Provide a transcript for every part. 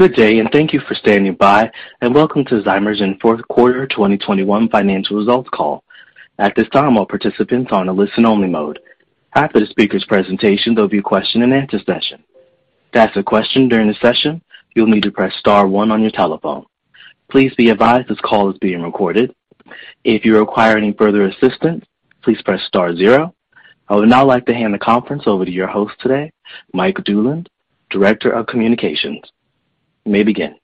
Good day, and thank you for standing by, and welcome to Zymergen's fourth quarter 2021 financial results call. At this time, all participants are in a listen-only mode. After the speaker's presentation, there'll be a question and answer session. To ask a question during the session, you'll need to press star one on your telephone. Please be advised this call is being recorded. If you require any further assistance, please press star zero. I would now like to hand the conference over to your host today, Mike Dulin, Director of Communications. You may begin.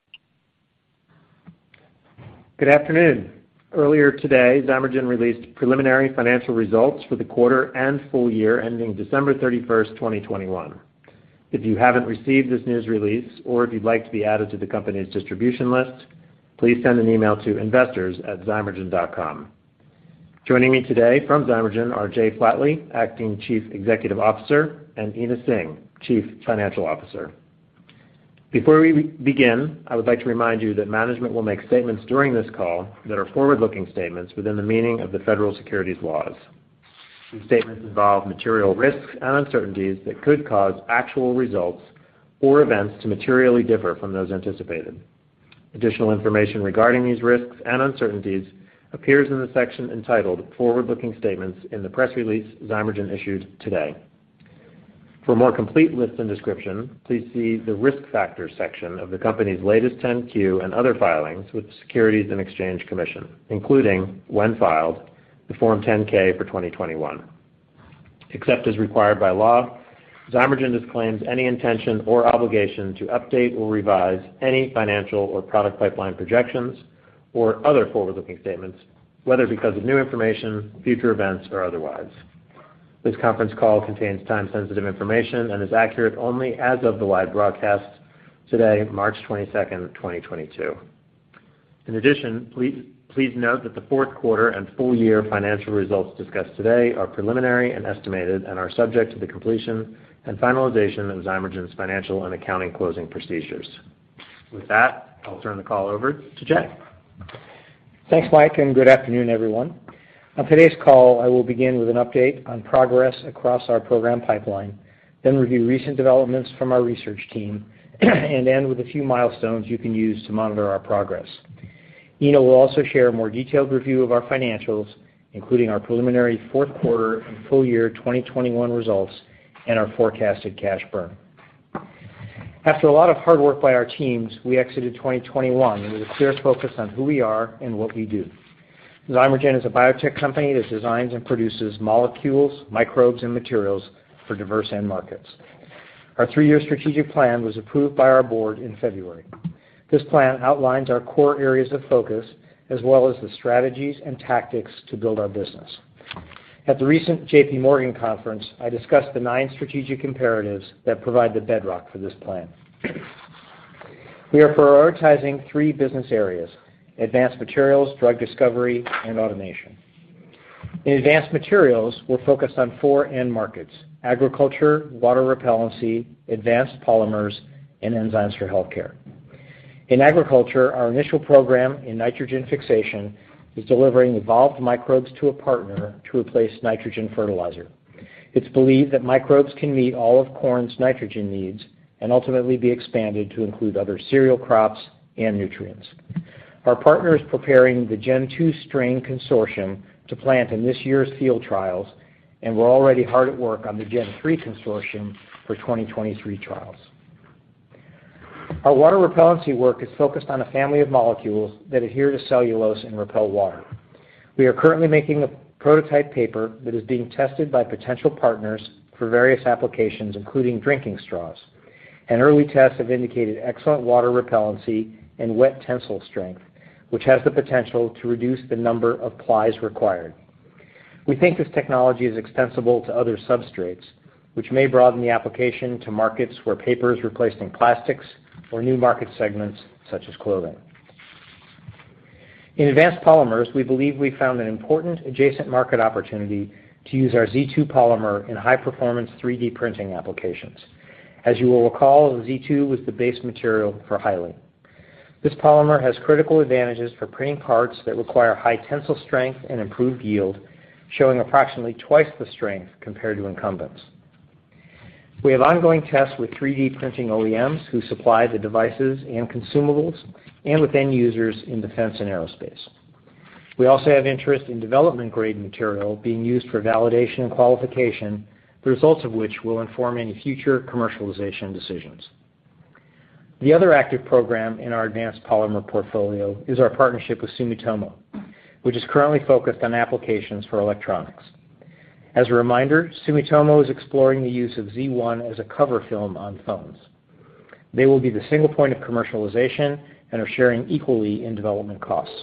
Good afternoon. Earlier today, Zymergen released preliminary financial results for the quarter and full year ending December 31st, 2021. If you haven't received this news release or if you'd like to be added to the company's distribution list, please send an email to investors@zymergen.com. Joining me today from Zymergen are Jay Flatley, Acting Chief Executive Officer, and Ena Singh, Chief Financial Officer. Before we begin, I would like to remind you that management will make statements during this call that are forward-looking statements within the meaning of the federal securities laws. These statements involve material risks and uncertainties that could cause actual results or events to materially differ from those anticipated. Additional information regarding these risks and uncertainties appears in the section entitled Forward-Looking Statements in the press release Zymergen issued today. For a more complete list and description, please see the Risk Factors section of the company's latest Form 10-Q and other filings with the Securities and Exchange Commission, including, when filed, the Form 10-K for 2021. Except as required by law, Zymergen disclaims any intention or obligation to update or revise any financial or product pipeline projections or other forward-looking statements, whether because of new information, future events, or otherwise. This conference call contains time-sensitive information and is accurate only as of the live broadcast today, March 22nd, 2022. In addition, please note that the fourth quarter and full year financial results discussed today are preliminary and estimated and are subject to the completion and finalization of Zymergen's financial and accounting closing procedures. With that, I'll turn the call over to Jay. Thanks, Mike, and good afternoon, everyone. On today's call, I will begin with an update on progress across our program pipeline, then review recent developments from our research team and end with a few milestones you can use to monitor our progress. Ena will also share a more detailed review of our financials, including our preliminary fourth quarter and full year 2021 results and our forecasted cash burn. After a lot of hard work by our teams, we exited 2021 with a clear focus on who we are and what we do. Zymergen is a biotech company that designs and produces molecules, microbes and materials for diverse end markets. Our three-year strategic plan was approved by our board in February. This plan outlines our core areas of focus as well as the strategies and tactics to build our business. At the recent JPMorgan conference, I discussed the nine strategic imperatives that provide the bedrock for this plan. We are prioritizing three business areas, Advanced Materials, Drug Discovery, and Automation. In Advanced Materials, we're focused on four end markets, agriculture, water repellency, advanced polymers, and enzymes for healthcare. In agriculture, our initial program in nitrogen fixation is delivering evolved microbes to a partner to replace nitrogen fertilizer. It's believed that microbes can meet all of corn's nitrogen needs and ultimately be expanded to include other cereal crops and nutrients. Our partner is preparing the gen two strain consortium to plant in this year's field trials, and we're already hard at work on the gen three consortium for 2023 trials. Our water repellency work is focused on a family of molecules that adhere to cellulose and repel water. We are currently making a prototype paper that is being tested by potential partners for various applications, including drinking straws. Early tests have indicated excellent water repellency and wet tensile strength, which has the potential to reduce the number of plies required. We think this technology is extensible to other substrates, which may broaden the application to markets where paper is replacing plastics or new market segments such as clothing. In advanced polymers, we believe we found an important adjacent market opportunity to use our Z2 polymer in high-performance 3D printing applications. As you will recall, Z2 was the base material for Hyaline. This polymer has critical advantages for printing parts that require high tensile strength and improved yield, showing approximately twice the strength compared to incumbents. We have ongoing tests with 3D printing OEMs who supply the devices and consumables and with end users in defense and aerospace. We also have interest in development-grade material being used for validation and qualification, the results of which will inform any future commercialization decisions. The other active program in our advanced polymer portfolio is our partnership with Sumitomo, which is currently focused on applications for electronics. As a reminder, Sumitomo is exploring the use of Z1 as a cover film on phones. They will be the single point of commercialization and are sharing equally in development costs.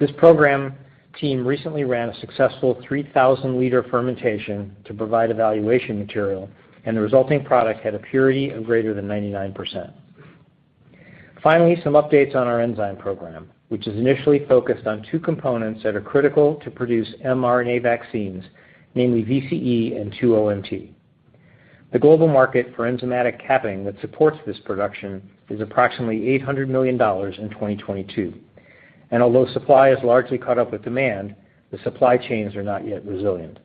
This program team recently ran a successful 3,000L fermentation to provide evaluation material, and the resulting product had a purity of greater than 99%. Finally, some updates on our enzyme program, which is initially focused on two components that are critical to produce mRNA vaccines, namely VCE and 2-OMT. The global market for enzymatic capping that supports this production is approximately $800 million in 2022, and although supply has largely caught up with demand, the supply chains are not yet resilient.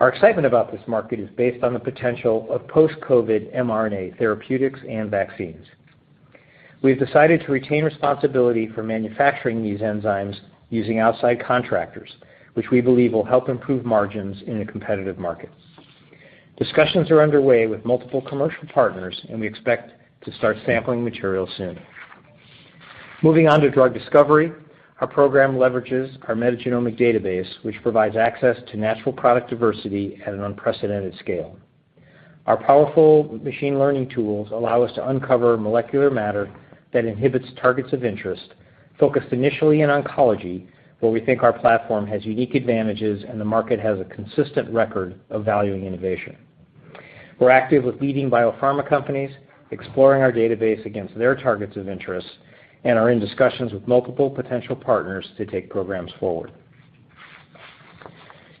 Our excitement about this market is based on the potential of post-COVID mRNA therapeutics and vaccines. We've decided to retain responsibility for manufacturing these enzymes using outside contractors, which we believe will help improve margins in a competitive market. Discussions are underway with multiple commercial partners, and we expect to start sampling material soon. Moving on to Drug Discovery, our program leverages our Metagenomic Database, which provides access to natural product diversity at an unprecedented scale. Our powerful machine learning tools allow us to uncover molecular matter that inhibits targets of interest, focused initially in oncology, where we think our platform has unique advantages and the market has a consistent record of valuing innovation. We're active with leading biopharma companies, exploring our database against their targets of interest, and are in discussions with multiple potential partners to take programs forward.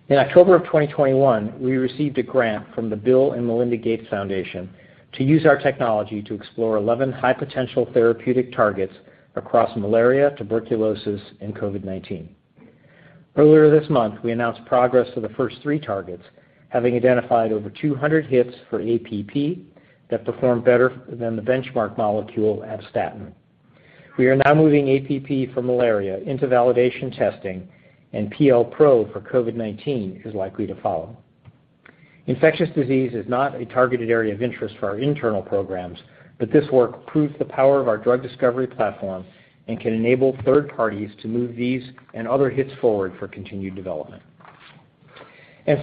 In October 2021, we received a grant from the Bill & Melinda Gates Foundation to use our technology to explore 11 high-potential therapeutic targets across malaria, tuberculosis, and COVID-19. Earlier this month, we announced progress for the first three targets, having identified over 200 hits for ATP that perform better than the benchmark molecule at statin. We are now moving ATP for malaria into validation testing, and PLpro for COVID-19 is likely to follow. Infectious disease is not a targeted area of interest for our internal programs, but this work proves the power of our Drug Discovery platform and can enable third parties to move these and other hits forward for continued development.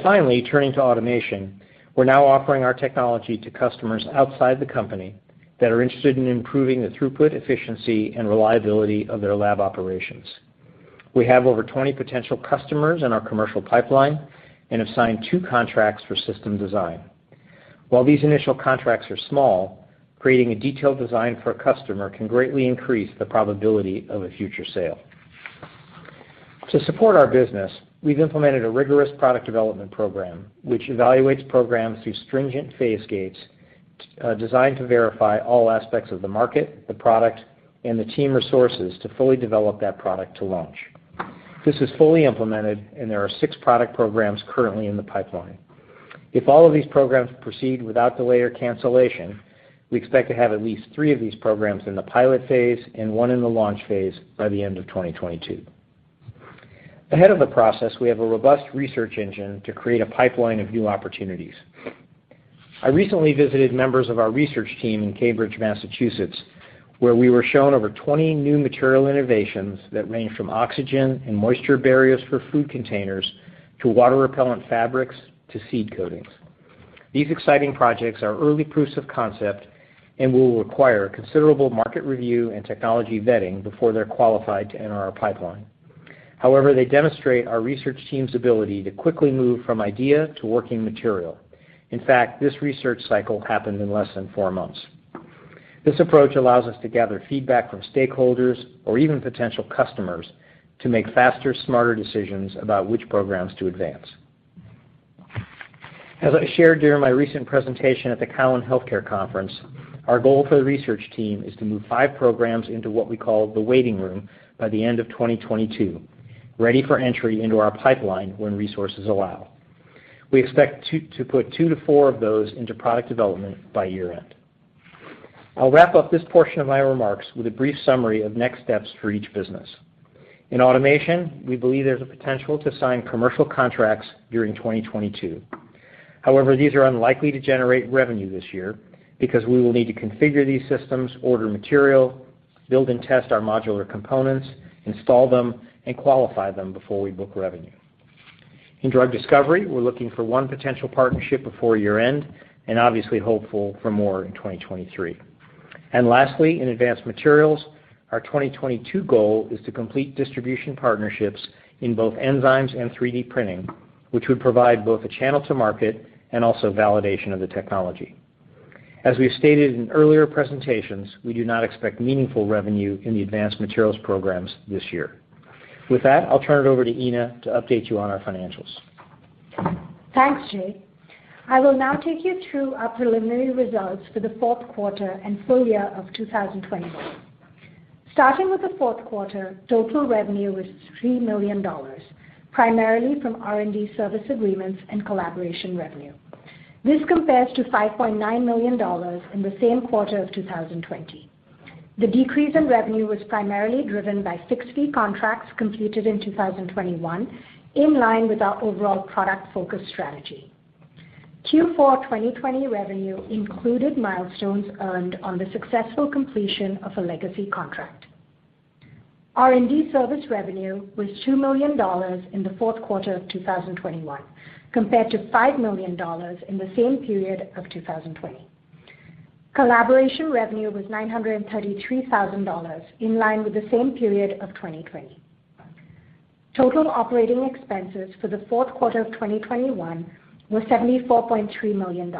Finally, turning to automation, we're now offering our technology to customers outside the company that are interested in improving the throughput, efficiency, and reliability of their lab operations. We have over 20 potential customers in our commercial pipeline and have signed two contracts for system design. While these initial contracts are small, creating a detailed design for a customer can greatly increase the probability of a future sale. To support our business, we've implemented a rigorous product development program, which evaluates programs through stringent phase gates, designed to verify all aspects of the market, the product, and the team resources to fully develop that product to launch. This is fully implemented, and there are six product programs currently in the pipeline. If all of these programs proceed without delay or cancellation, we expect to have at least three of these programs in the pilot phase and one in the launch phase by the end of 2022. Ahead of the process, we have a robust research engine to create a pipeline of new opportunities. I recently visited members of our research team in Cambridge, Massachusetts, where we were shown over 20 new material innovations that range from oxygen and moisture barriers for food containers to water-repellent fabrics to seed coatings. These exciting projects are early proofs of concept and will require considerable market review and technology vetting before they're qualified to enter our pipeline. However, they demonstrate our research team's ability to quickly move from idea to working material. In fact, this research cycle happened in less than four months. This approach allows us to gather feedback from stakeholders or even potential customers to make faster, smarter decisions about which programs to advance. As I shared during my recent presentation at the Cowen Healthcare Conference, our goal for the research team is to move five programs into what we call the waiting room by the end of 2022, ready for entry into our pipeline when resources allow. We expect to put two-four of those into product development by year-end. I'll wrap up this portion of my remarks with a brief summary of next steps for each business. In Automation, we believe there's a potential to sign commercial contracts during 2022. However, these are unlikely to generate revenue this year because we will need to configure these systems, order material, build and test our modular components, install them, and qualify them before we book revenue. In Drug Discovery, we're looking for one potential partnership before year-end, and obviously hopeful for more in 2023. Lastly, in Advanced Materials, our 2022 goal is to complete distribution partnerships in both enzymes and 3D printing, which would provide both a channel to market and also validation of the technology. As we've stated in earlier presentations, we do not expect meaningful revenue in the Advanced Materials programs this year. With that, I'll turn it over to Ena to update you on our financials. Thanks, Jay. I will now take you through our preliminary results for the fourth quarter and full year of 2021. Starting with the fourth quarter, total revenue was $3 million, primarily from R&D service agreements and collaboration revenue. This compares to $5.9 million in the same quarter of 2020. The decrease in revenue was primarily driven by six fee contracts completed in 2021, in line with our overall product-focused strategy. Q4 2020 revenue included milestones earned on the successful completion of a legacy contract. R&D service revenue was $2 million in the fourth quarter of 2021, compared to $5 million in the same period of 2020. Collaboration revenue was $933,000, in line with the same period of 2020. Total operating expenses for the fourth quarter of 2021 were $74.3 million,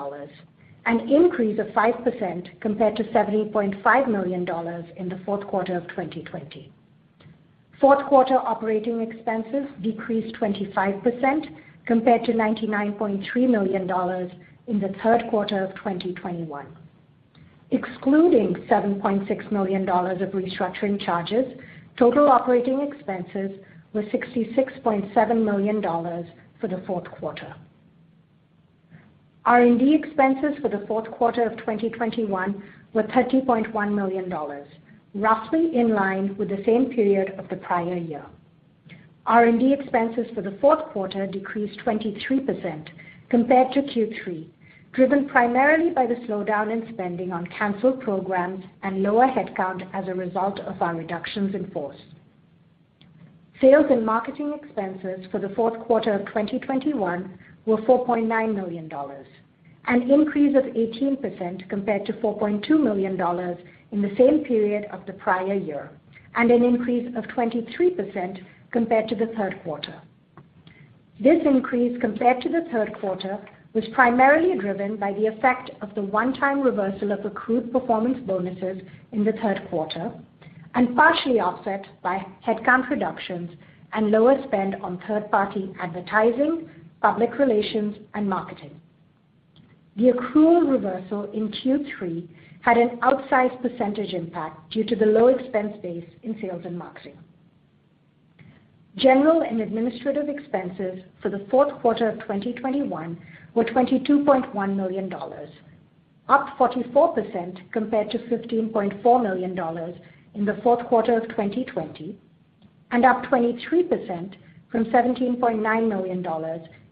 an increase of 5% compared to $70 million in the fourth quarter of 2020. Fourth quarter operating expenses decreased 25% compared to $99.3 million in the third quarter of 2021. Excluding $7.6 million of restructuring charges, total operating expenses were $66.7 million for the fourth quarter. R&D expenses for the fourth quarter of 2021 were $30.1 million, roughly in line with the same period of the prior year. R&D expenses for the fourth quarter decreased 23% compared to Q3, driven primarily by the slowdown in spending on canceled programs and lower headcount as a result of our reductions in force. Sales and marketing expenses for the fourth quarter of 2021 were $4.9 million, an increase of 18% compared to $4.2 million in the same period of the prior year, and an increase of 23% compared to the third quarter. This increase compared to the third quarter was primarily driven by the effect of the one-time reversal of accrued performance bonuses in the third quarter and partially offset by headcount reductions and lower spend on third-party advertising, public relations, and marketing. The accrual reversal in Q3 had an outsized percentage impact due to the low expense base in sales and marketing. General and administrative expenses for the fourth quarter of 2021 were $22.1 million, up 44% compared to $15.4 million in the fourth quarter of 2020, and up 23% from $17.9 million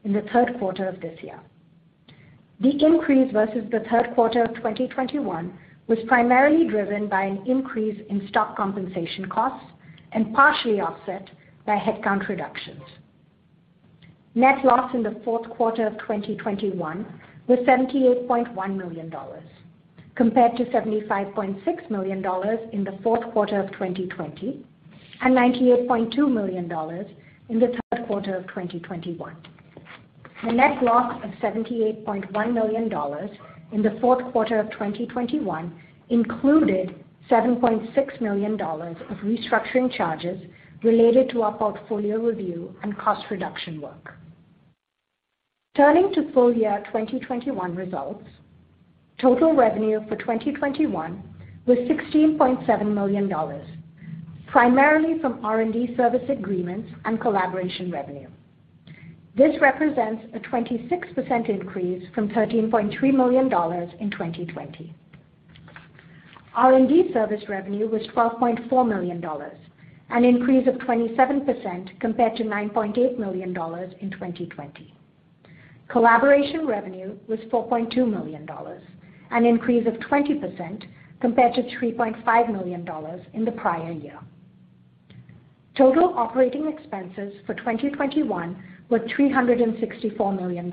in the third quarter of this year. The increase versus the third quarter of 2021 was primarily driven by an increase in stock compensation costs and partially offset by headcount reductions. Net loss in the fourth quarter of 2021 was $78.1 million, compared to $75.6 million in the fourth quarter of 2020 and $98.2 million in the third quarter of 2021. The net loss of $78.1 million in the fourth quarter of 2021 included $7.6 million of restructuring charges related to our portfolio review and cost reduction work. Turning to full year 2021 results, total revenue for 2021 was $16.7 million, primarily from R&D service agreements and collaboration revenue. This represents a 26% increase from $13.3 million in 2020. R&D service revenue was $12.4 million, an increase of 27% compared to $9.8 million in 2020. Collaboration revenue was $4.2 million, an increase of 20% compared to $3.5 million in the prior year. Total operating expenses for 2021 were $364 million,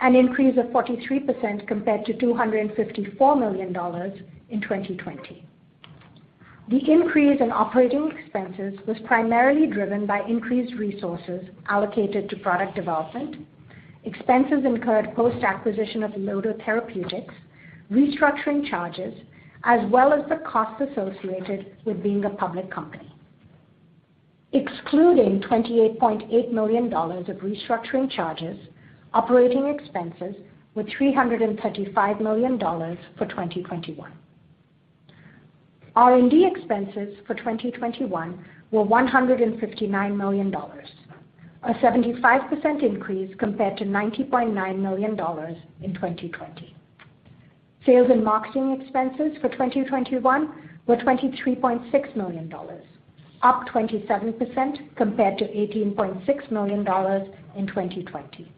an increase of 43% compared to $254 million in 2020. The increase in operating expenses was primarily driven by increased resources allocated to product development, expenses incurred post-acquisition of Lodo Therapeutics, restructuring charges, as well as the costs associated with being a public company. Excluding $28.8 million of restructuring charges, operating expenses were $335 million for 2021. R&D expenses for 2021 were $159 million, a 75% increase compared to $90.9 million in 2020. Sales and marketing expenses for 2021 were $23.6 million, up 27% compared to $18.6 million in 2020.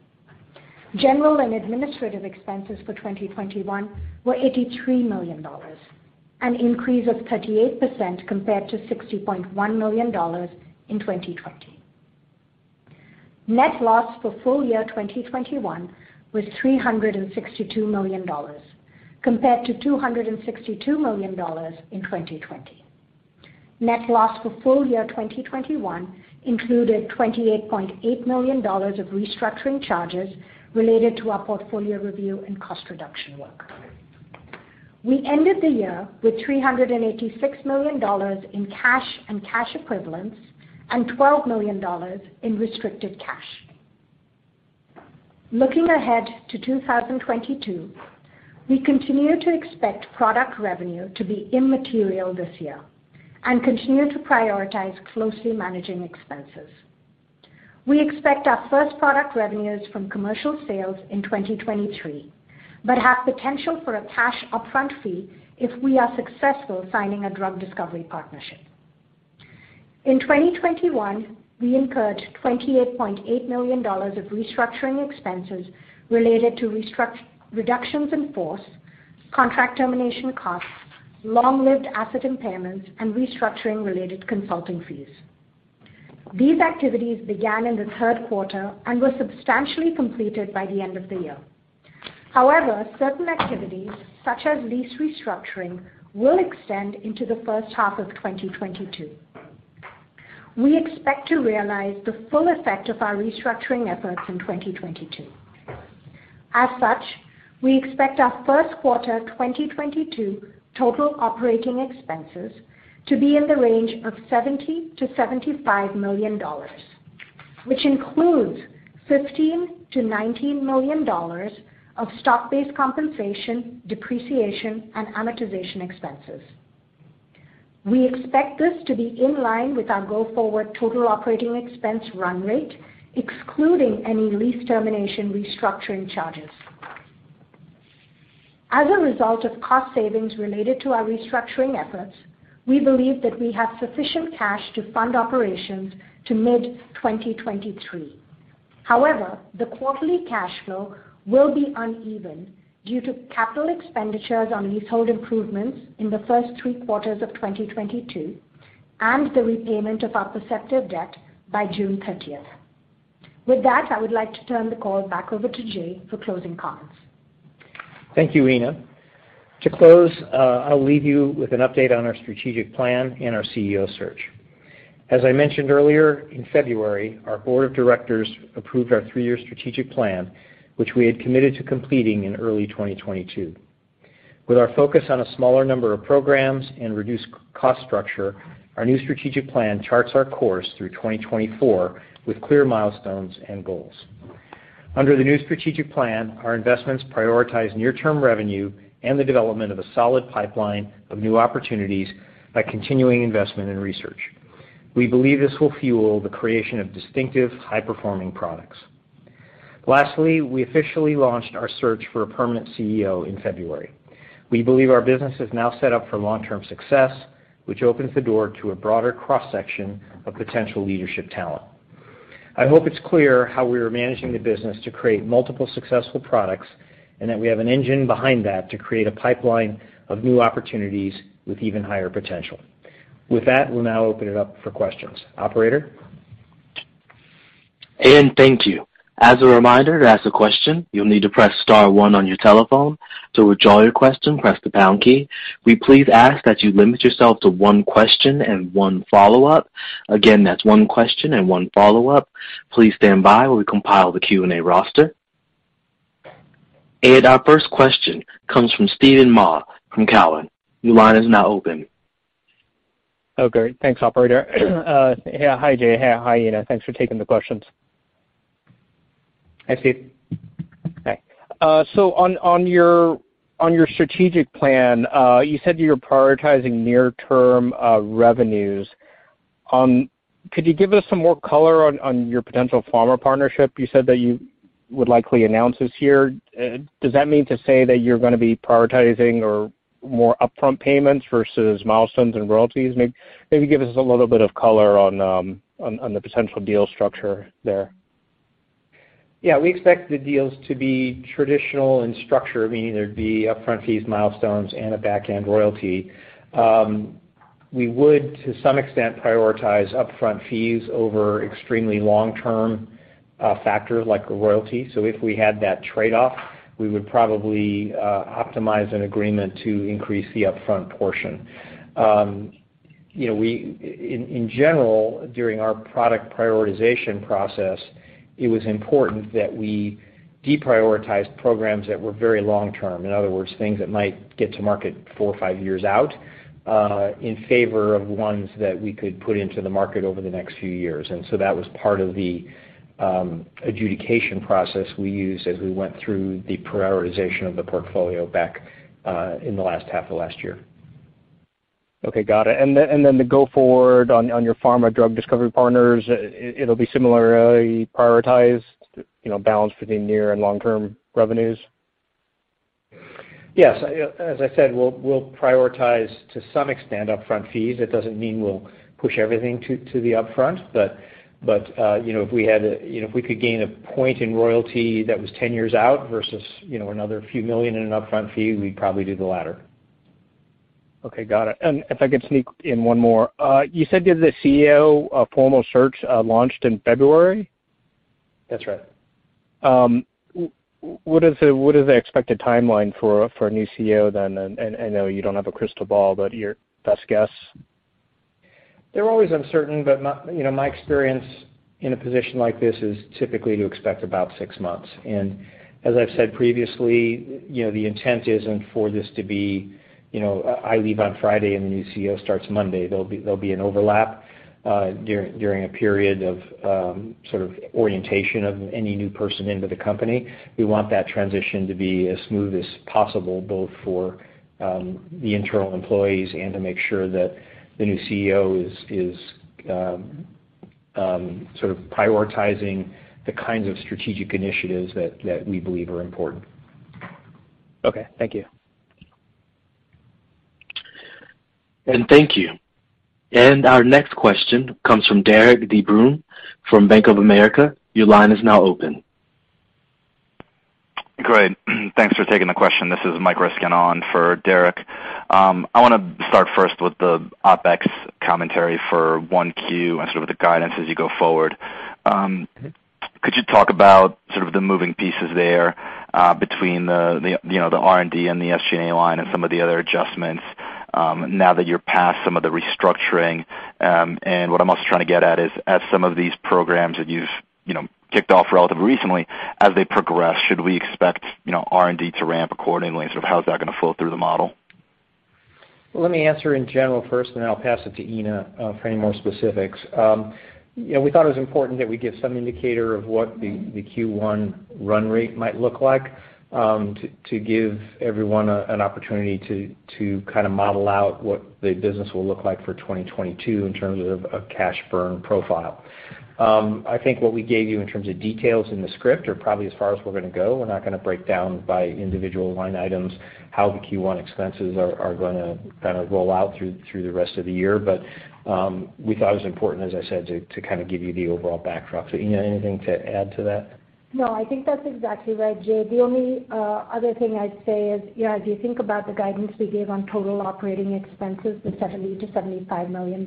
General and administrative expenses for 2021 were $83 million, an increase of 38% compared to $60.1 million in 2020. Net loss for full year 2021 was $362 million compared to $262 million in 2020. Net loss for full year 2021 included $28.8 million of restructuring charges related to our portfolio review and cost reduction work. We ended the year with $386 million in cash and cash equivalents and $12 million in restricted cash. Looking ahead to 2022, we continue to expect product revenue to be immaterial this year and continue to prioritize closely managing expenses. We expect our first product revenues from commercial sales in 2023, but have potential for a cash upfront fee if we are successful signing a Drug Discovery partnership. In 2021, we incurred $28.8 million of restructuring expenses related to reductions in force, contract termination costs, long-lived asset impairments, and restructuring-related consulting fees. These activities began in the third quarter and were substantially completed by the end of the year. However, certain activities, such as lease restructuring, will extend into the first half of 2022. We expect to realize the full effect of our restructuring efforts in 2022. As such, we expect our first quarter 2022 total operating expenses to be in the range of $70 million-$75 million. Which includes $15 million-$19 million of stock-based compensation, depreciation, and amortization expenses. We expect this to be in line with our go-forward total operating expense run rate, excluding any lease termination restructuring charges. As a result of cost savings related to our restructuring efforts, we believe that we have sufficient cash to fund operations to mid-2023. However, the quarterly cash flow will be uneven due to capital expenditures on leasehold improvements in the first three quarters of 2022 and the repayment of our Perceptive debt by June 30th. With that, I would like to turn the call back over to Jay for closing comments. Thank you, Ena. To close, I'll leave you with an update on our strategic plan and our CEO search. As I mentioned earlier, in February, our board of directors approved our three-year strategic plan, which we had committed to completing in early 2022. With our focus on a smaller number of programs and reduced cost structure, our new strategic plan charts our course through 2024 with clear milestones and goals. Under the new strategic plan, our investments prioritize near-term revenue and the development of a solid pipeline of new opportunities by continuing investment in research. We believe this will fuel the creation of distinctive high-performing products. Lastly, we officially launched our search for a permanent CEO in February. We believe our business is now set up for long-term success, which opens the door to a broader cross-section of potential leadership talent. I hope it's clear how we are managing the business to create multiple successful products, and that we have an engine behind that to create a pipeline of new opportunities with even higher potential. With that, we'll now open it up for questions. Operator? Thank you. As a reminder, to ask a question, you'll need to press star one on your telephone. To withdraw your question, press the pound key. We please ask that you limit yourself to one question and one follow-up. Again, that's one question and one follow-up. Please stand by while we compile the Q&A roster. Our first question comes from Steven Mah from Cowen. Your line is now open. Oh, great. Thanks, operator. Yeah, hi, Jay. Hi, Ena. Thanks for taking the questions. Hi, Steve. Hi. On your strategic plan, you said you're prioritizing near-term revenues. Could you give us some more color on your potential pharma partnership? You said that you would likely announce this year. Does that mean to say that you're gonna be prioritizing or more upfront payments versus milestones and royalties? Maybe give us a little bit of color on the potential deal structure there. Yeah. We expect the deals to be traditional in structure, meaning there'd be upfront fees, milestones, and a backend royalty. We would, to some extent, prioritize upfront fees over extremely long-term factors like a royalty. If we had that trade-off, we would probably optimize an agreement to increase the upfront portion. You know, in general, during our product prioritization process, it was important that we deprioritized programs that were very long-term, in other words, things that might get to market four or five years out, in favor of ones that we could put into the market over the next few years. That was part of the adjudication process we used as we went through the prioritization of the portfolio back in the last half of last year. Okay. Got it. Then the go forward on your pharma Drug Discovery partners, it'll be similarly prioritized, you know, balanced between near and long-term revenues? Yes. As I said, we'll prioritize to some extent upfront fees. That doesn't mean we'll push everything to the upfront. You know, if we had, you know, if we could gain a point in royalty that was 10 years out versus, you know, another few million in an upfront fee, we'd probably do the latter. Okay. Got it. If I could sneak in one more. You said that the CEO formal search launched in February? That's right. What is the expected timeline for a new CEO then? I know you don't have a crystal ball, but your best guess. They're always uncertain, but, you know, my experience in a position like this is typically to expect about six months. As I've said previously, you know, the intent isn't for this to be, you know, I leave on Friday and the new CEO starts Monday. There'll be an overlap during a period of sort of orientation of any new person into the company. We want that transition to be as smooth as possible, both for the internal employees and to make sure that the new CEO is sort of prioritizing the kinds of strategic initiatives that we believe are important. Okay. Thank you. Thank you. Our next question comes from Derik De Bruin from Bank of America. Your line is now open. Great. Thanks for taking the question. This is Michael Ryskin on for Derik. I wanna start first with the OpEx commentary for 1Q and sort of the guidance as you go forward. Could you talk about sort of the moving pieces there, between the you know, the R&D and the SG&A line and some of the other adjustments, now that you're past some of the restructuring? And what I'm also trying to get at is, as some of these programs that you've you know, kicked off relatively recently, as they progress, should we expect you know, R&D to ramp accordingly? Sort of how is that gonna flow through the model? Let me answer in general first, then I'll pass it to Ena for any more specifics. Yeah, we thought it was important that we give some indicator of what the Q1 run rate might look like to give everyone an opportunity to kind of model out what the business will look like for 2022 in terms of cash burn profile. I think what we gave you in terms of details in the script are probably as far as we're gonna go. We're not gonna break down by individual line items how the Q1 expenses are gonna kind of roll out through the rest of the year. We thought it was important, as I said, to kind of give you the overall backdrop. Ena, anything to add to that? No, I think that's exactly right, Jay. The only other thing I'd say is, yeah, if you think about the guidance we gave on total operating expenses of $70 million-$75 million,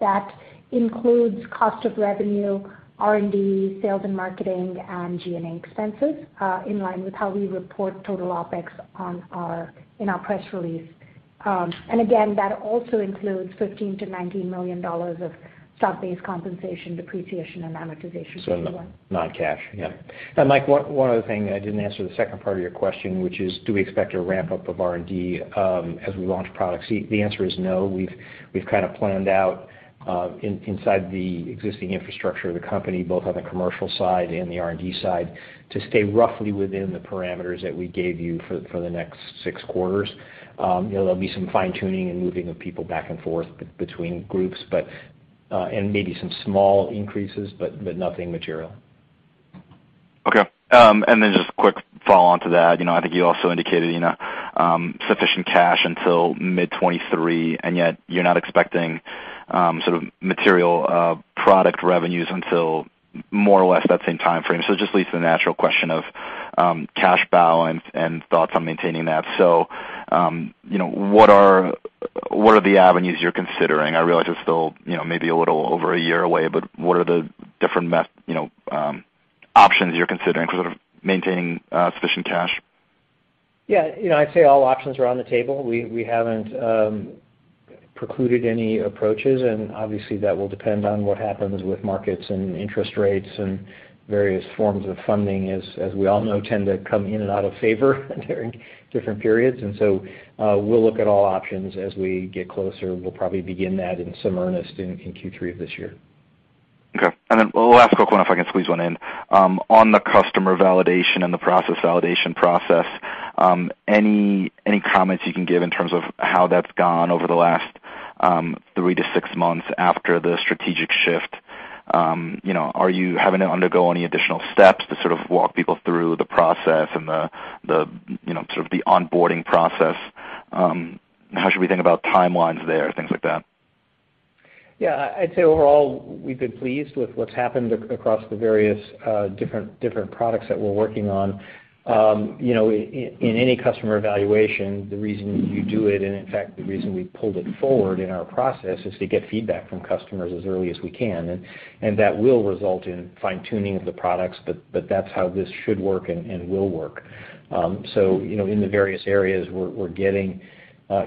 that includes cost of revenue, R&D, sales and marketing, and G&A expenses, in line with how we report total OpEx in our press release. Again, that also includes $15 million-$19 million of stock-based compensation depreciation and amortization. Non-cash, yeah. Mike, one other thing, I didn't answer the second part of your question, which is do we expect a ramp up of R&D as we launch products? The answer is no. We've kind of planned out inside the existing infrastructure of the company, both on the commercial side and the R&D side, to stay roughly within the parameters that we gave you for the next six quarters. You know, there'll be some fine-tuning and moving of people back and forth between groups, but and maybe some small increases, but nothing material. Okay. Just a quick follow-on to that. I think you also indicated, Ena, sufficient cash until mid-2023, and yet you're not expecting sort of material product revenues until more or less that same timeframe. It just leads to the natural question of cash balance and thoughts on maintaining that. What are the avenues you're considering? I realize it's still maybe a little over a year away, but what are the different options you're considering for sort of maintaining sufficient cash? Yeah. You know, I'd say all options are on the table. We haven't precluded any approaches, and obviously that will depend on what happens with markets and interest rates and various forms of funding, as we all know, tend to come in and out of favor during different periods. We'll look at all options as we get closer. We'll probably begin that in earnest in Q3 of this year. Okay. One last quick one if I can squeeze one in. On the customer validation and the process validation process, any comments you can give in terms of how that's gone over the last three-six months after the strategic shift? You know, are you having to undergo any additional steps to sort of walk people through the process and the you know, sort of the onboarding process? How should we think about timelines there, things like that? Yeah. I'd say overall we've been pleased with what's happened across the various different products that we're working on. You know, in any customer evaluation, the reason you do it, and in fact, the reason we pulled it forward in our process, is to get feedback from customers as early as we can. That will result in fine-tuning of the products, but that's how this should work and will work. You know, in the various areas, we're getting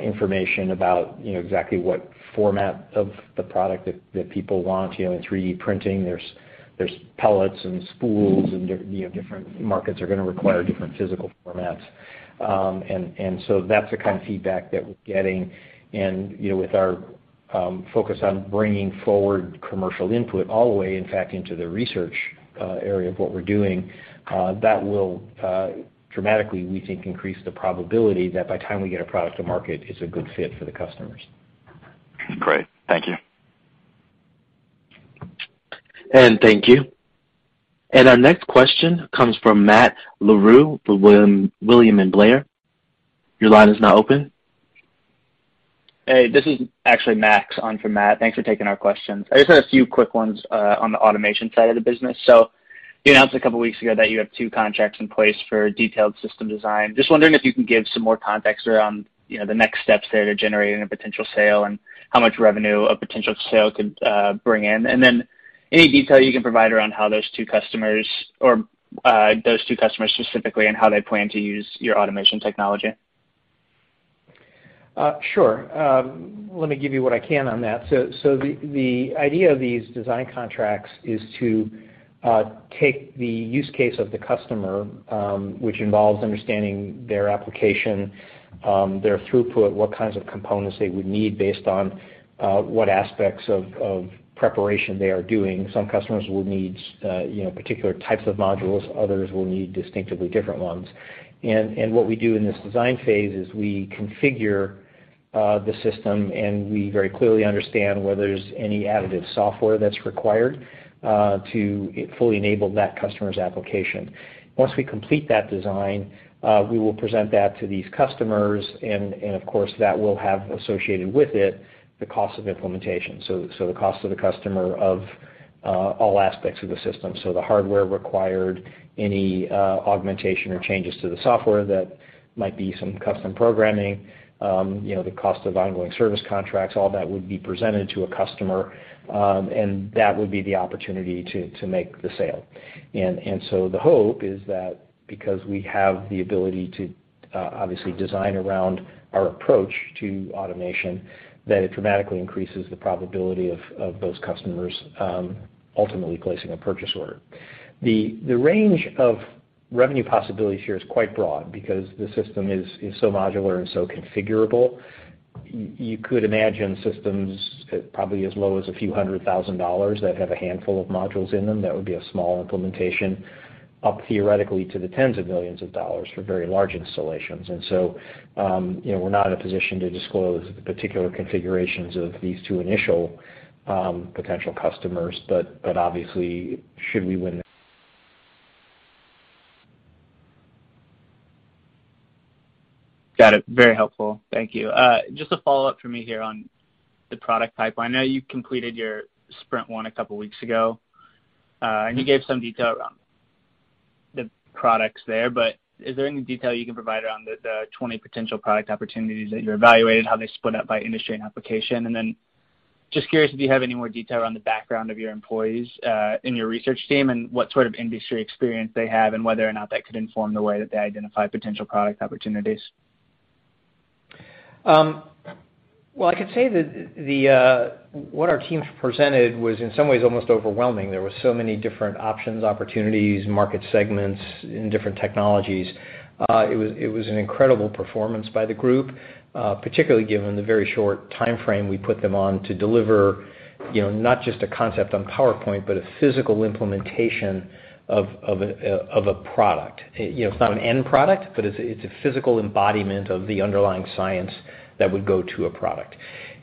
information about, you know, exactly what format of the product that people want. You know, in 3D printing there's pellets and spools and you know, different markets are gonna require different physical formats. That's the kind of feedback that we're getting. You know, with our focus on bringing forward commercial input all the way, in fact, into the research area of what we're doing, that will dramatically, we think, increase the probability that by the time we get a product to market, it's a good fit for the customers. Great. Thank you. Thank you. Our next question comes from Matt Larew with William Blair. Your line is now open. Hey, this is actually Max on for Matt. Thanks for taking our questions. I just had a few quick ones on the automation side of the business. You announced a couple weeks ago that you have two contracts in place for detailed system design. Just wondering if you can give some more context around, you know, the next steps there to generating a potential sale and how much revenue a potential sale could bring in. And then any detail you can provide around how those two customers or those two customers specifically and how they plan to use your automation technology. Sure. Let me give you what I can on that. The idea of these design contracts is to take the use case of the customer, which involves understanding their application, their throughput, what kinds of components they would need based on what aspects of preparation they are doing. Some customers will need, you know, particular types of modules, others will need distinctively different ones. What we do in this design phase is we configure the system, and we very clearly understand whether there's any additive software that's required to fully enable that customer's application. Once we complete that design, we will present that to these customers and of course, that will have associated with it the cost of implementation, the cost to the customer of all aspects of the system. The hardware required, any augmentation or changes to the software, that might be some custom programming, you know, the cost of ongoing service contracts, all that would be presented to a customer. That would be the opportunity to make the sale. The hope is that because we have the ability to obviously design around our approach to automation, that it dramatically increases the probability of those customers ultimately placing a purchase order. The range of revenue possibility here is quite broad because the system is so modular and so configurable. You could imagine systems probably as low as a few hundred thousand dollars that have a handful of modules in them. That would be a small implementation, up theoretically to the tens of millions of dollars for very large installations. You know, we're not in a position to disclose the particular configurations of these two initial potential customers, but obviously, should we win. Got it. Very helpful. Thank you. Just a follow-up for me here on the product pipeline. I know you completed your sprint one a couple of weeks ago, and you gave some detail around the products there. Is there any detail you can provide around the 20 potential product opportunities that you're evaluating, how they split up by industry and application? Just curious if you have any more detail on the background of your employees in your research team and what sort of industry experience they have and whether or not that could inform the way that they identify potential product opportunities. Well, I could say that what our team presented was in some ways almost overwhelming. There were so many different options, opportunities, market segments in different technologies. It was an incredible performance by the group, particularly given the very short timeframe we put them on to deliver, you know, not just a concept on PowerPoint, but a physical implementation of a product. You know, it's not an end product, but it's a physical embodiment of the underlying science that would go to a product.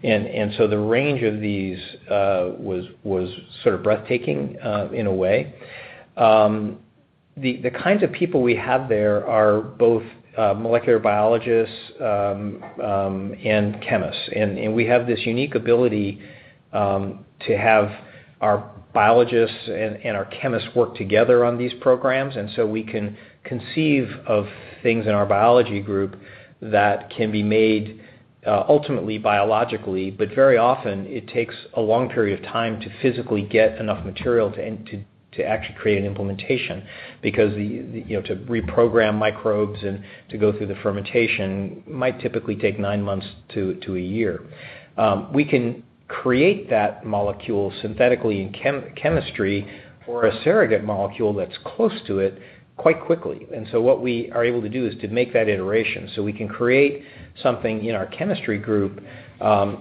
The range of these was sort of breathtaking in a way. The kinds of people we have there are both molecular biologists and chemists. We have this unique ability to have our biologists and our chemists work together on these programs. We can conceive of things in our biology group that can be made ultimately biologically, but very often it takes a long period of time to physically get enough material and to actually create an implementation because you know to reprogram microbes and to go through the fermentation might typically take nine months to a year. We can create that molecule synthetically in chemistry or a surrogate molecule that's close to it quite quickly. What we are able to do is to make that iteration, so we can create something in our chemistry group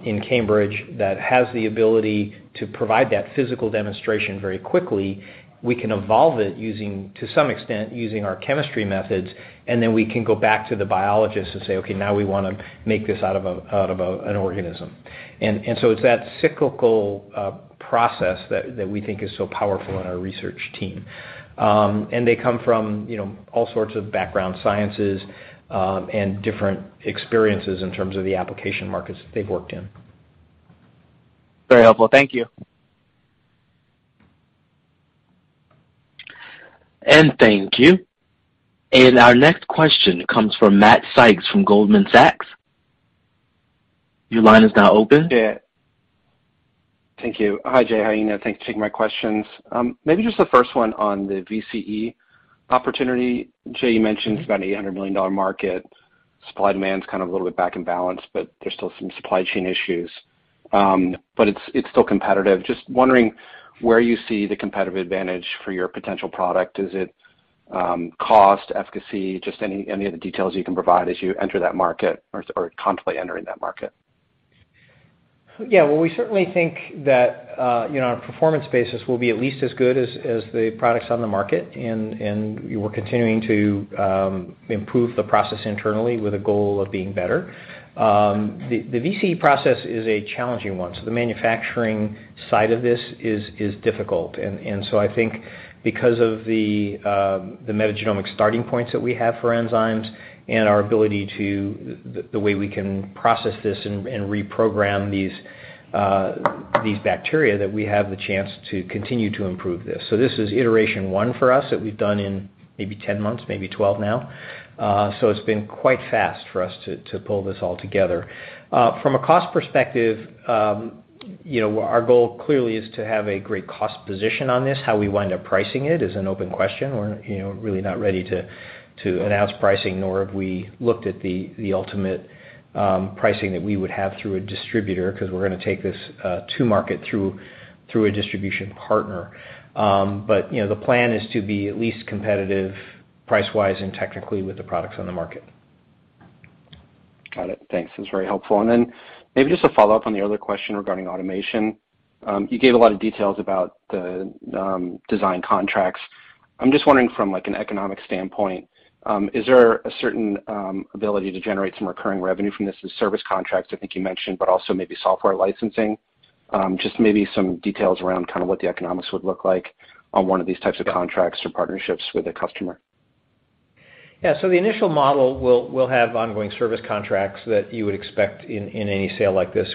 in Cambridge that has the ability to provide that physical demonstration very quickly. We can evolve it to some extent using our chemistry methods, and then we can go back to the biologists and say, "Okay, now we wanna make this out of an organism." It's that cyclical process that we think is so powerful in our research team. They come from you know all sorts of background sciences and different experiences in terms of the application markets that they've worked in. Very helpful. Thank you. Thank you. Our next question comes from Matt Sykes from Goldman Sachs. Your line is now open. Yeah. Thank you. Hi, Jay. How are you? Thanks for taking my questions. Maybe just the first one on the VCE opportunity. Jay, you mentioned it's about $800 million market. Supply demand's kind of a little bit back in balance, but there's still some supply chain issues. But it's still competitive. Just wondering where you see the competitive advantage for your potential product. Is it cost, efficacy? Just any other details you can provide as you enter that market or constantly entering that market. Yeah. Well, we certainly think that, you know, on a performance basis, we'll be at least as good as the products on the market, and we're continuing to improve the process internally with a goal of being better. The VCE process is a challenging one, so the manufacturing side of this is difficult. I think because of the metagenomic starting points that we have for enzymes and our ability, the way we can process this and reprogram these bacteria, that we have the chance to continue to improve this. This is iteration one for us that we've done in maybe 10 months, maybe 12 now. It's been quite fast for us to pull this all together. From a cost perspective, you know, our goal clearly is to have a great cost position on this. How we wind up pricing it is an open question. We're, you know, really not ready to announce pricing, nor have we looked at the ultimate pricing that we would have through a distributor because we're gonna take this to market through a distribution partner. You know, the plan is to be at least competitive price-wise and technically with the products on the market. Got it. Thanks. That was very helpful. Maybe just a follow-up on the other question regarding automation. You gave a lot of details about the design contracts. I'm just wondering from, like, an economic standpoint, is there a certain ability to generate some recurring revenue from this? The service contracts, I think you mentioned, but also maybe software licensing. Just maybe some details around kind of what the economics would look like on one of these types of contracts or partnerships with a customer. Yeah. The initial model will have ongoing service contracts that you would expect in any sale like this,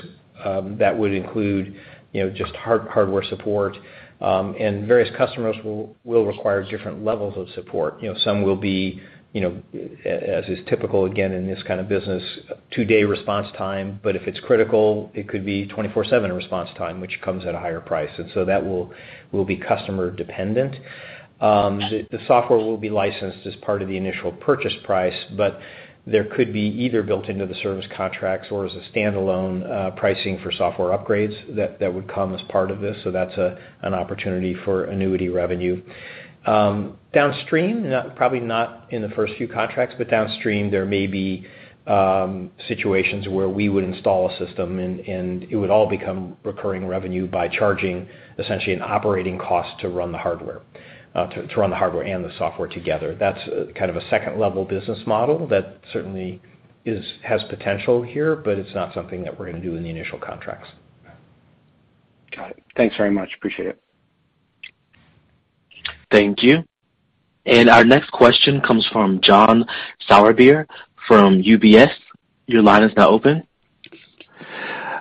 that would include, you know, just hardware support. Various customers will require different levels of support. You know, some will be, you know, as is typical, again, in this kind of business, two-day response time. But if it's critical, it could be 24/7 response time, which comes at a higher price. That will be customer dependent. The software will be licensed as part of the initial purchase price, but there could be either built into the service contracts or as a standalone, pricing for software upgrades that would come as part of this. That's an opportunity for annuity revenue. Downstream, probably not in the first few contracts, but downstream there may be situations where we would install a system and it would all become recurring revenue by charging essentially an operating cost to run the hardware and the software together. That's kind of a second level business model that certainly has potential here, but it's not something that we're gonna do in the initial contracts. Got it. Thanks very much. Appreciate it. Thank you. Our next question comes from John Sourbeer from UBS. Your line is now open.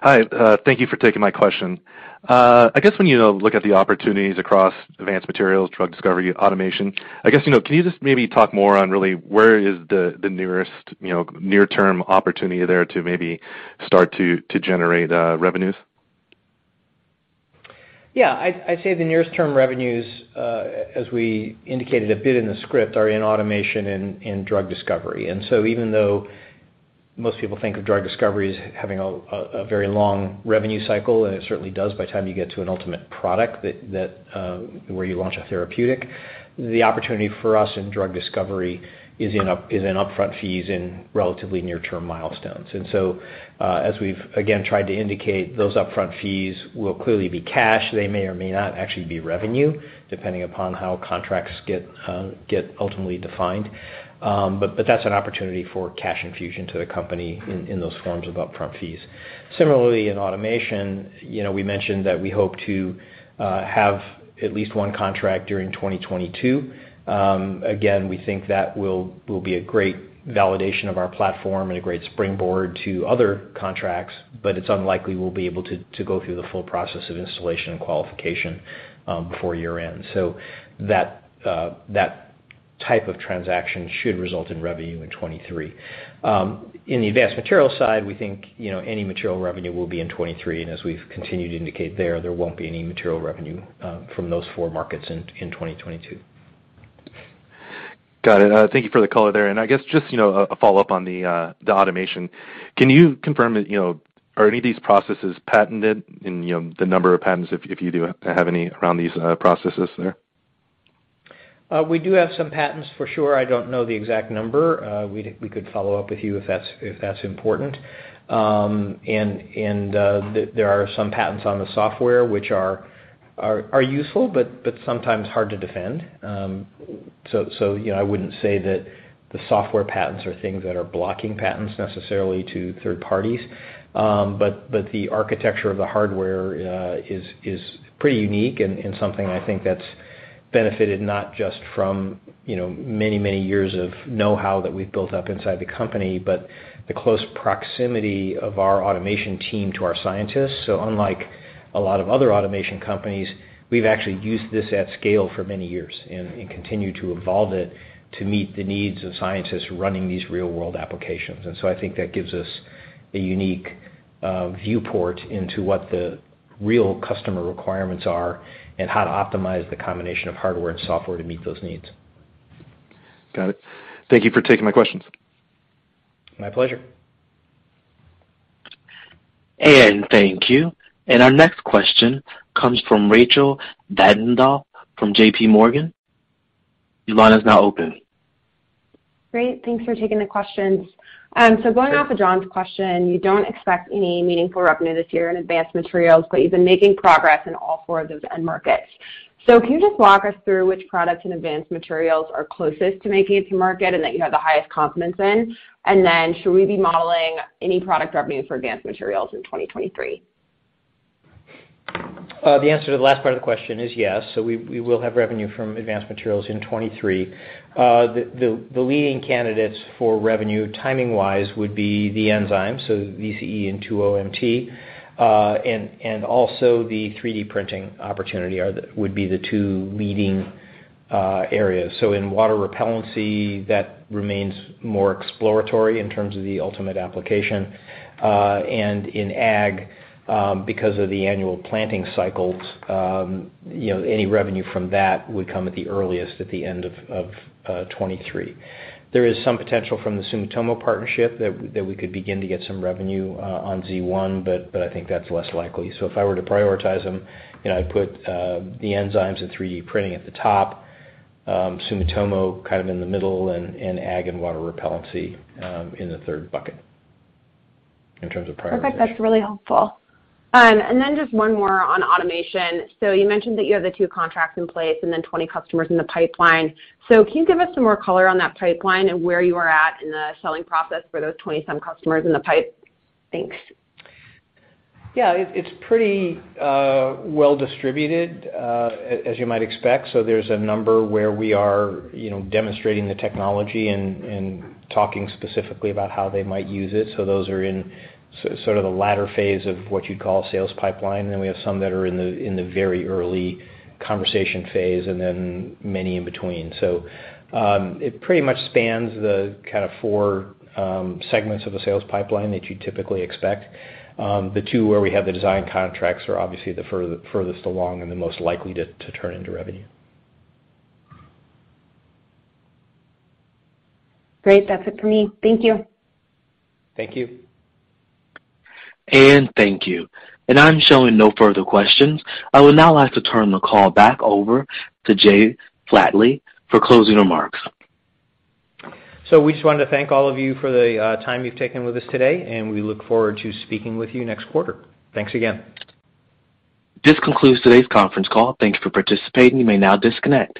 Hi, thank you for taking my question. I guess when you look at the opportunities across Advanced Materials, Drug Discovery, Automation, I guess, you know, can you just maybe talk more on really where is the nearest, you know, near-term opportunity there to maybe start to generate revenues? I'd say the near-term revenues, as we indicated a bit in the script, are inAautomation and Drug Discovery. Even though most people think of Drug Discovery as having a very long revenue cycle, and it certainly does by the time you get to an ultimate product where you launch a therapeutic, the opportunity for us in Drug Discovery is in upfront fees in relatively near-term milestones. As we've again tried to indicate, those upfront fees will clearly be cash. They may or may not actually be revenue, depending upon how contracts get ultimately defined. That's an opportunity for cash infusion to the company in those forms of upfront fees. Similarly, in Automation, you know, we mentioned that we hope to have at least one contract during 2022. Again, we think that will be a great validation of our platform and a great springboard to other contracts, but it's unlikely we'll be able to go through the full process of installation and qualification before year-end. That type of transaction should result in revenue in 2023. In the Advanced Materials side, we think, you know, any material revenue will be in 2023, and as we've continued to indicate there won't be any material revenue from those four markets in 2022. Got it. Thank you for the color there. I guess just, you know, a follow-up on the Automation. Can you confirm that, you know, are any of these processes patented and, you know, the number of patents if you do have any around these processes there? We do have some patents for sure. I don't know the exact number. We could follow up with you if that's important. There are some patents on the software which are useful, but sometimes hard to defend. You know, I wouldn't say that the software patents are things that are blocking patents necessarily to third parties. The architecture of the hardware is pretty unique and something I think that's benefited not just from, you know, many years of know-how that we've built up inside the company, but the close proximity of our automation team to our scientists. Unlike a lot of other automation companies, we've actually used this at scale for many years and continue to evolve it to meet the needs of scientists running these real-world applications. I think that gives us a unique viewport into what the real customer requirements are and how to optimize the combination of hardware and software to meet those needs. Got it. Thank you for taking my questions. My pleasure. Thank you. Our next question comes from Rachel Vatnsdal from JPMorgan. Your line is now open. Great. Thanks for taking the questions. Going off of John's question, you don't expect any meaningful revenue this year in Advanced Materials, but you've been making progress in all four of those end markets. Can you just walk us through which products in Advanced Materials are closest to making it to market and that you have the highest confidence in? Should we be modeling any product revenue for Advanced Materials in 2023? The answer to the last part of the question is yes. We will have revenue from Advanced Materials in 2023. The leading candidates for revenue timing-wise would be the enzymes, so VCE and 2-OMT, and also the 3D printing opportunity would be the two leading areas. In water repellency, that remains more exploratory in terms of the ultimate application. In ag, because of the annual planting cycles, you know, any revenue from that would come at the earliest at the end of 2023. There is some potential from the Sumitomo partnership that we could begin to get some revenue on Z1, but I think that's less likely. If I were to prioritize them, you know, I'd put the enzymes and 3D printing at the top, Sumitomo kind of in the middle, and ag and water repellency in the third bucket in terms of prioritization. Perfect. That's really helpful. Just one more on Automation. You mentioned that you have the two contracts in place and then 20 customers in the pipeline. Can you give us some more color on that pipeline and where you are at in the selling process for those 20-some customers in the pipe? Thanks. Yeah. It's pretty well distributed as you might expect. There's a number where we are, you know, demonstrating the technology and talking specifically about how they might use it. Those are in sort of the latter phase of what you'd call sales pipeline. We have some that are in the very early conversation phase and then many in between. It pretty much spans the kind of four segments of a sales pipeline that you'd typically expect. The two where we have the design contracts are obviously the furthest along and the most likely to turn into revenue. Great. That's it for me. Thank you. Thank you. Thank you. I'm showing no further questions. I would now like to turn the call back over to Jay Flatley for closing remarks. We just wanted to thank all of you for the time you've taken with us today, and we look forward to speaking with you next quarter. Thanks again. This concludes today's conference call. Thank you for participating. You may now disconnect.